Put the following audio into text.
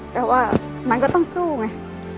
แต่ว่ามันก็ต้องสู้ไง